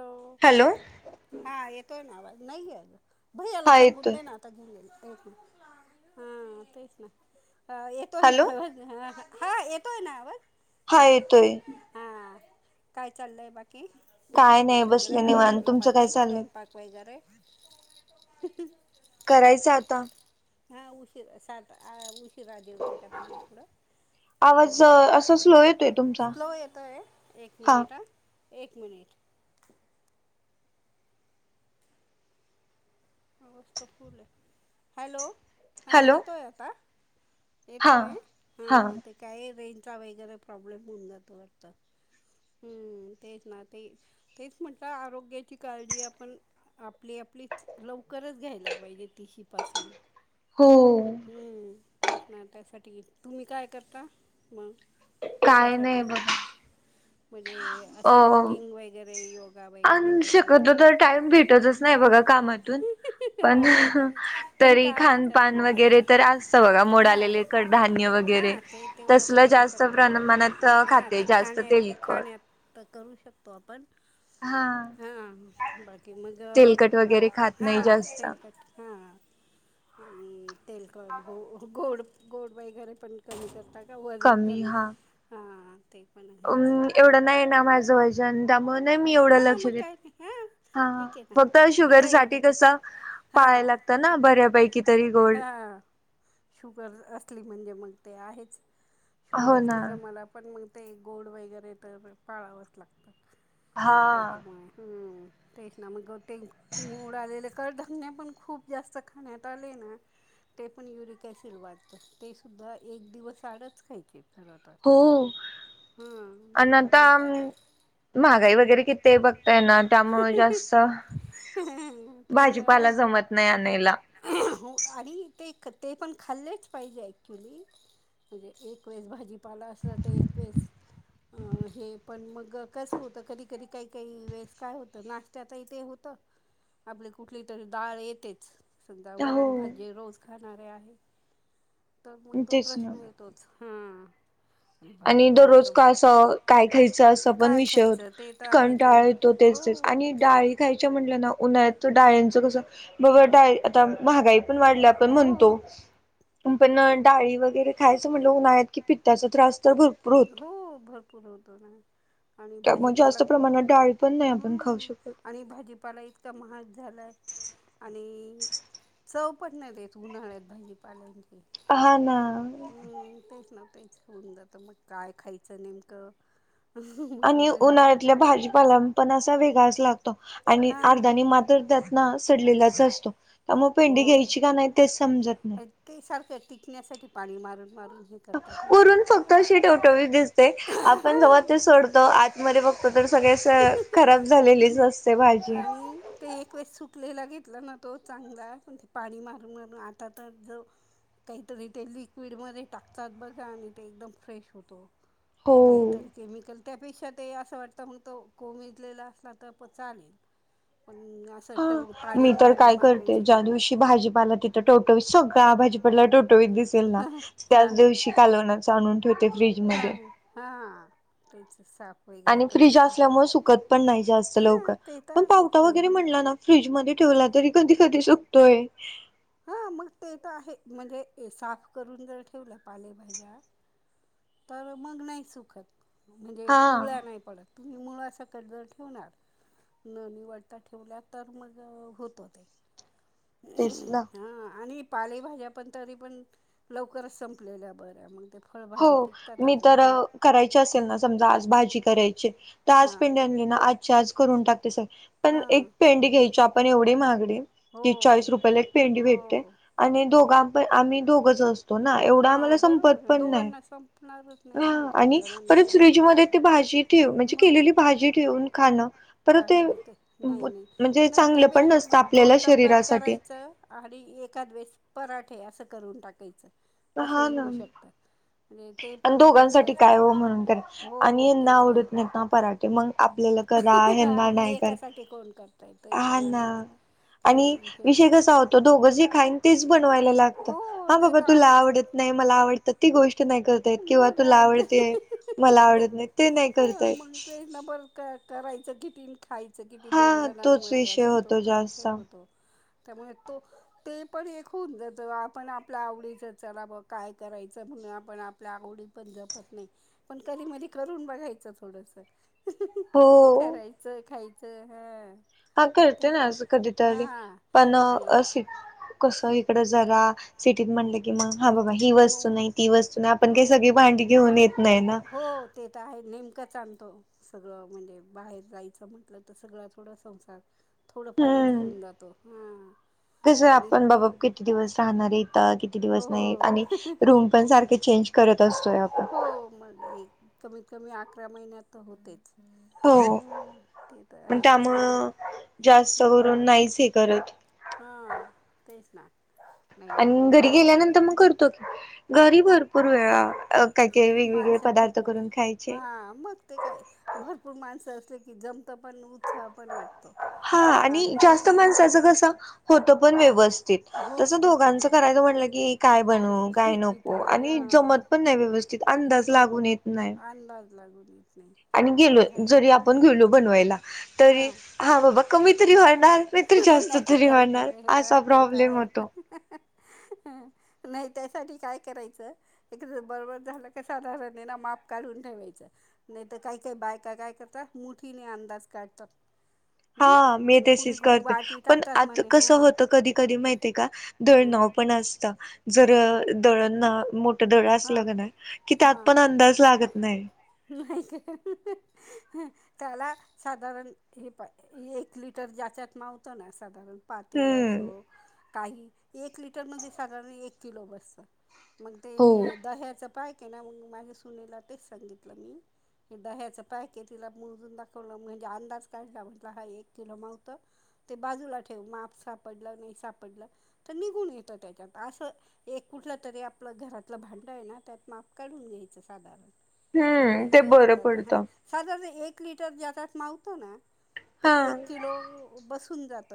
हो हॅलो हा येतोय ना आवाज नाही आहे. भैयाला हा सांगून येतोय दे ना आता घेऊन [unintelligible] हा तेच ना. ह येतोय हॅलो आवाज हा येतोय ना आवाज. हा येतोय. हा काय चाललंय बाकी? काय नाही तब्येत वैगरे बसलं निवांत आवरलं तुमचं काय बाकी चाललंय स्वयंपाक वैगरे करायचं आता हा उशिरा सात आ उशिरा जेवतात का तुम्ही थोड? आवाज अस स्लोत. स्लो येतोय एक मिनिट एक मिनिट आवाज तर फुल हाय हॅलो हा हॅलो येतोय आता? हा येतोय हा ते काय रेंजचा वैगरे प्रॉब्लेम होऊन जातो वाटत. हम्म तेच ना ते तेच म्हटलं आरोग्याची काळजी आपण आपली आपलीच लवकरच घ्यायला पाहिजे ति ही पासून हो हम्म. तेच ना त्यासाठी तुम्ही काय करता म? काय नाइ बघा. म्हणजे असं अं वॉकिंग वगैरे योगा वगैरे आण काही करता. शकत तर टाईम भेटतचं नाइ बघा कामातून [inaudible] पण हा ते तर आहे. पण तरी काढायचा खानपान थोडासा वगरे तर असतं बघा मोड हा आलेले कडधान्य वग रे हां ते तेवढं तर तसलं करू जास्त शकतो आपण प्रणात खाते जास्त तेलकट त करू शकतो आपण हा हां बाकी मग तेलकट वगैरे खात हा नाही जास्त तेलकट हा हम्म. तेलकट गो गोड गोड वैगरे पण कमी करता वजन करणे हा ते. पण आहेच अम्म एवढं नाइ ना माझं वजन त्यामु नाइ मी एवढं हां लक्ष मग दित काय नाही हां हा ठीक आहे ना फक्त शुगर साठी एवढंच आहे कसं पाळायला हां लागतं ना बऱ्यापैकी तरी गोड हा शुगर असली म्हणजे म ते आहेच शुगर हो ना असले तर मला पण मग ते गोड हा तेच्यामुळे हम्म तेष ना म ते मोड आलेल कधान्य पण खूप जास्त खाण्यात आले ना ते पण युरिक ऍसिड वाढतं ते सुद्धा एक दिवस आडचं खायचे खरं तर. हो हा नाही आणि तर आता मग महागाई वगरे किती बघ तना त्यामुळे जास्त ते तर भाजीपाला आहे जमत नाइ आणायला आणि तेक ते पण खाल्लेच पाहिजे ऍक्च्युली म्हणजे एक वेळेस भाजीपाला असल त एक वेळेस अ हे पण मग कस होतं कधी कधी काही काही वेस काय होत नाश्त्यातही ते होत, आपली कुठली तरी डाळ येतेच. साध्या हो वरण भाजी रोज खाणारे आहे. तर म तो तेच ना प्रश्न येतोच हा. आणि दररोज का असं काय खायचं असं पण काय विषय होतो खायचं ते तर आहेच आणि कंटाळा येतो ते ते तेच हो आणि डाळी खायच्या म्हनलं ना उन्हाळ्यात तो डाळीचं कसं बाबा डाळी आता महागाई पण वाढल्या आपण म्हणतो हो पण डाळी वगरे खायचं म्हणलं उन्हाळ्यात कि पित्ताचा त्रास तर भरपूर होतो. हो भरपूर होतो ना. त्यामुळे जास्त प्रमाणात डाळी पण नाही आपण खाऊ हम्म शकत आणि भाजीपाला इतका महाग झालाय आणि चव पण नाइ देत उन्हाळ्यात भाजीपाल्यां हो ना. तेच ना तेच होउन जात म काय खायचं नेमकं मग काय आणि तर हलकं उन्हाळ्यातला भाजीपाला पण असा वेगळाचं लागतो आणि अर्धां हां नीमा त्यात ना सडलेलाच असतो. हा मग हो पेंडी घ्यायची का नाही तेच समजत नाही. आणि ते सारखं टिकण्यासाठी पाणी मारून मारून हे करतात ना उरून फक्त अशी टवटवीत दिसते. आपण जेव्हा ते सोडतो हां आतमध्ये बघ तर सगळे अंस खराब झालेलीच असते भाजी. घेलना तो चांगला हाय. पण पाणी मारून मारून आता तर जो काहीतरी ते लिक्विड मध्ये टाकतात बघा आणि ते एकदम फ्रेश होतो. हो. काहीतरी केमिकल. त्यापेक्षा ते असं वाटत त तो कोमेजलेला असला तर प चालेल. पण असं हा टव पाणी मी तर मारून काय मारून करते, सगळं ज्या नि दिवशी भाजीपाला तिथं टवटवीत सगळा भाजीपाला टवटवीत दिसेल ना, हां त्याच दिवशी कालवनाच आणून ठेवते हा फ्रीजमध्ये. हा तेच. साफ वगैरे आणि करून फ्रीज ठेव असल्यामुळे सुकत पण नाही जास्त हां लवकर. ते तर पण आहे पावटा फ्रीज वगैरे म्हणला ना फ्रीजमध्ये ठेवला तरी कधी कधी सुुकतोय. हा मग ते तर आहे. म्हणजे साफ करून जर ठेवल्या पालेभाज्या तर मग नाही सुखत, म्हणजे हा पिवळ्या नाही पडत. तुम्ही मुळासकट जर ठेवणार न निवडता ठेवल्या, तर मग होतो ते. तेचना. हा आणि पालेभाज्या पण तरी पण, लवकरच संपलेल्या बऱ्या. मग ते हो. फळभाज्या टिकतात मी तर अजून करायचे असेल ना समजा, आज भाजी करायचीय तर आज हां पेंडी आणली ना आजच्या आज करून टाकते सगळ. पण हां एक पेंडी घ्यायची आप पण एवढी माहगडी. हो तीस चाळीस रुपयाला एक पेंडी हो भेटते, आणि दोघा पण आम्ही दोघंच असतो ना, एवढा आम्हाला हां संपत् बरोबर दोघांना संपणारच नाही ना, दोन आणि जणांना परत कुठ फ्रीज मध्ये ते भाजी ठेव म्हणजे केलेली भाजी ठेवून खाणं परत खाना म ते नाही नाही, म्हणजे नाही चांगलं पण त्यापेक्षा नसतं मग दोन आपल्याला टप्प्यात कराय शरीरासाठी च आणि एखद द्वेस पराठे असं करून टाकायचं. हा असही होऊ ना शकतात. आणि दोघांसाठी काय हो म्हणून आणि हो याना ते तर आहे आवडत नाहीत ना परा ठे मंग आपल्याला करा, हा, ह्याना मग नाही कर, एकासाठी कोण करताय ते हा पण ना. आहे आणि तोच विषय येतो कसा होतो, दोघं जे खाईन तेच बनवायला लागतं. हो हा ते बाबा तर तुला आहेच आवडत नाही, मला आवडत ती गोष्ट नाही करत ते किंवा मग तुला आता आवडतेय, मला आवडत नाही ते नाही करता येत. च किती अन खायचं किती दोन तोच जणांमध्ये विषय असा तो होतो तर जास्त विचार होतो. त्यामुळे तो ते पण एक होवुन जातं. आपण आपल्या आवडीचं चला ब काय करायचं मग आपण आपल्या आवडीत पण जपत नाही. पण कधी मधी करून बघायचं थोडस. हो करायचं, खायचं हा. हा करते नां असं कधीतरी. पण आणि अस कसं ही ड जगा, सिटीत म्हटलं की मग हा बाबा ही हो वस्तू नाही, ती वस्तू नाही, आपण काही सगळी भांडी हो घेऊन येत नाही ना. त सगळं म्हणजे, बाहेर जायचं म्हटलं तर सगळ थोडं संसार थोडंफारच हं. घेऊन जातो हां कस आणि आपण बाबा किती दिवस राहणारय. आता किती हो दिवस नाही आणि रूम पण सारखे चेंज करत असतोय आपण. हो मग एक कमीत कमी अकरा महिन्यात तर होतेच. हो. हम्म ते तर पण आहेच त्यामुळ, जास्त करून नाहीच हे करत. हा, तेच ना. नाही ब आणि घरी मग ते गेल्यानंतर मग करतो की. घरी हां भरपूर वेळा, काहीतर वेगवेगळे माणसं पदार्थ भरपूर करून खायचे. हा मग ते काय भरपूर माणसं असले की जमतं पण उत्साह पण वाट हा आणि जास्त माणसाच कस होत पण व्यव तसं होत दोघांच पण करायच म्हटलं कि काय क- बनवु, काय किती नको, हा आणि जमत पण नाही व्यव चिप अंदाज लागून येत नाही. लागुडी आणि गेलो, जरी आपण गेलो बनवायला, हा तरी हां बाबा कमी तरी व्हानार. नाही त जास्त, ते त प्रॉब्लेम आहेच. होतो हं, नाही त्यासाठी काय करायचं, एक बरोबर झालं का साधारण ना माप काढून ठेवायचं, नाही त काही काही बायका काय करता मुठीने अंदाज काढतात. हां, मी हम्म कुणी तेशीस कुणी कळते, वाटी पण टाकतात आत म्हणे कस हा. होत कधी कधी माहिते का हां दळनाव पण असता. जर, हां दळंना मोट दळ असंल हां क नय, की त्यात पण हां अंदाज लागत नाही. हं त्याला साधारण हे प एक लिटर ज्याच्यात मावतं ना साधारण. पातेलं हम्म असो, काही एक लिटर मध्ये साधारण एक किलो बस्सं. मंग ते मी हो त्याचं पायके ना म आणि सुनेला तेच सांगितलं मी. हे दह्याचं पॅके तिला मोजून दाखवलं, म्हणजे अंदाज काढला, म्हटलं हा एक किलो मावतं. ते बाजूला ठेव माप सापडलं नाही सापडलं, त निघून येत त्याच्यात आसं एक् कुठलं तरी आपलं घरातलं भांडं आहे ना त्यात माप काढून घ्यायचं साधारण. हम्म नजे ते येऊन बरं जातं हां, पडतं साधारण एक लिटर ज्यातत मावतं ना ते हा एक किलो बसून जात.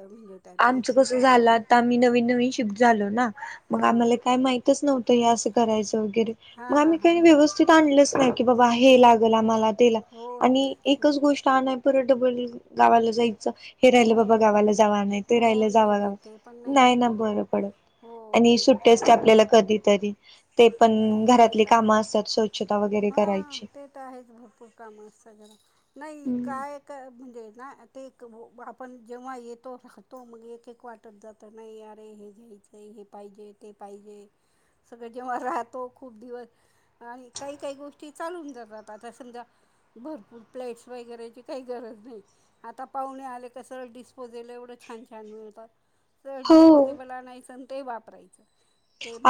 आमचं कसं झालं आता आम्ही नवीन नवीन शिफ्ट झालो ना, मग हां आम्हाला काय माहितच नव्ह हे असं करायचं वगैरे. म हां हां आम्ही हां काही व्यवस्थित आणलच नाही की बाबा हे लागल आम्हाला तेला, हो आणि नाही एकच गोष्ट आणाय परत डबल गावाला जाय चं, हे हो राहिलं बाबा हो गावाला जावा, नाही ते राहिलं हो नाही जावा नाही जावा, ते पण नाही ना शक्य होत बरं पडत. हो आणि ते सुट्टी असते आपल्याला कधीतरी. ते पण मी घरातली तेेत आहे, कामं असतात स्वच्छता वगैरे हां करायची ते त आहेच भरपूर कामं असतं जरा. नाही, काय क म्हणजे ना ते एक वो आपण जेव्हा येतो, राहतो, मग एकेक वाटत जातं ना ये अरे हे घ्यायचं आहे. हे पाहिजे, ते पाहिजे, सगळे जेव्हा राह तो खूप दिवस, आणि काही काही गोष्टी चालून जातात. आता समजा भरपूर प्ले स् वगैरे ची काही गरज नाही, आता पाहुणे आले का सळं डिस्पोजेल एवढं छान छान मिळतात. हो डिस्पोजेबल आनायचं आण् ते वापराय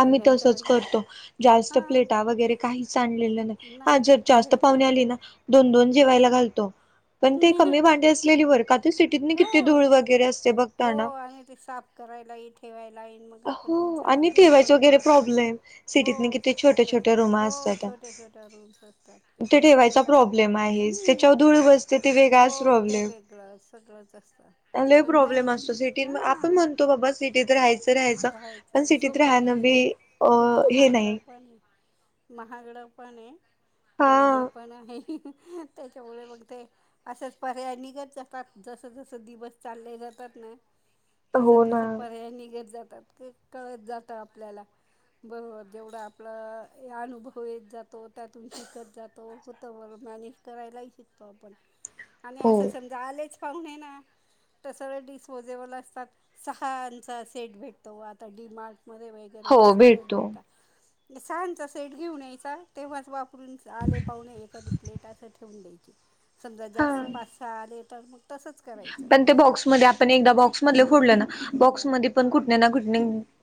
आम्ही तसंच करतो, जास्त हां प्लेटा वगैरे काहीच आणले हां जर नाही जास्त घ्यायच्याच पाहुणे आली ना, दोन दोन जेवायला घालतो. पण ते कमी भांडी असलेली वर का ते सिटीतने किती हो धूळ वगैरे असते हो बघताना. आणि ते साफ करायलाही, ठेवायलाही. मग आपण हो, चला आणि घर ठेवायचं पण वगैरे प्रॉब्लेम. सिटीतनी हो किती छोट्या सगळंच छोट्या असतं रूमा हो असताता. छोट्या छोट्या रूम्स असतात ईथे ठेवायचा त्याच्या प्रॉब्लेम आहेच, त्याच्याव हम्म धूळ ग हो ते वेगळं, सगळंच असत. लई प्रॉब्लेम असतो सिटीतऩं. आपण म्हणतो बाबा सिटीत राहायच राहायचं, सोपं नई ए ते. अ खूप हे महागडं ए नाही पण आहे महाग ड पण ए, आणि हे हा पण आहे. तेच्यामुळे मग ते, असेच पर्याय निघत जातात, जसं जसं दिवस चालले जातात. तसं हो ना तसं पर्याय निघेत जातात ते कळत जातं आपल्यालाही बरोवर जेवढं आपलं अनुभव येत जातो, त्यातून शिकत जातो, होतं बरोब मामिज करायला शिकतो आपण. आणि हो. असं समजा आलेच आव नि ना त सळं डिसोजेल असतात. सहांचं अस एट भेटतो व आता डी मार्ट मध्ये वगैरे हो तसगळं भेटतो भेटता. सानचा सेट घेऊन यायचा तेव्हाच वापरून आले पाहुणे एखादी प्लेट असं ठेवून द्याय समजा हा जास्त पाच सहा आले तर मग तसंच करायचं पण ते बॉक्समध्ये आपण एकदा बॉक्स मदले फोडलं ना, बाॅक्स मदी पण कुठन ना कुठने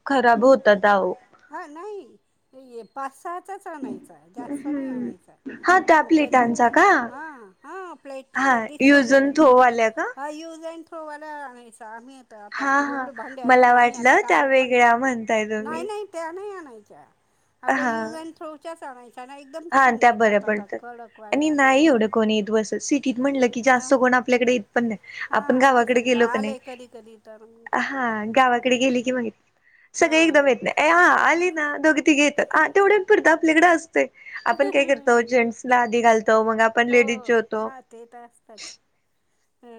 खराब होतात आओ. हा नाही पाच सात त्याच आणायचं आहे जास्त नाही आणायचं हम्म हा त्या आहे मग कधीमध्ये प्लेटांचा का हा हा प्लेट हा त्या युजन ोऊ आल्या का प्रवाला आम्ही आता अता हा हा एवढे भांडे असून मला आम्ही आता वाटलं त्या काढत पण वेगळ्या म्हणताय नाही तुम्ही नाही नाही. नही आणायच्या आपल्या हा यूज अँड थ्रो च्याच आणायच्या. ना एकदम हा छान त्या बऱ्या भेटतात आता पडतात आणि कडकवाल्या नाही हां एवढं कोणीे तसत सिटीत म्हणलं की हां जास्त हो ना कोण आपल्याकडे येत पण नाही. आपण हां नाही गावाकडे समजा गेलो का नाही आले कधी कधी तर मग तसं हां गाव वा करायचं कडे गेली की सगळे एकदम हां येत नाही हा हां आली ना दोघी तीघी येतात तेवढ पुरत आलीकडें असते. आपण काय करतो जेंट्स ला आधी घालतो मग आपण हो लेडीज जेवतो. ह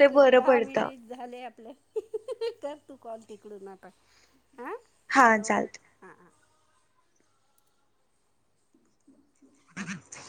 ते ह बरं दहा पडतं मिनिट झाले आपल्या कर तू कॉल ति आ हा हॅलो चाल हां हां ह [unintelligible]